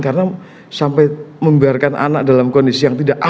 karena sampai membiarkan anak dalam keadaan yang tidak baik